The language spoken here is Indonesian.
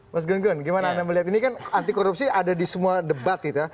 mas gun gun gimana anda melihat ini kan anti korupsi ada di semua debat gitu ya